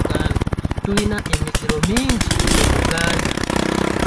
Tulina emiziro mingi mu Buganda.